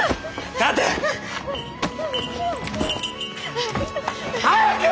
立て！早く！